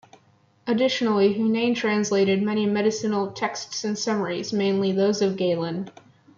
Additionally, Hunayn translated many medicinal texts and summaries, mainly those of Galen.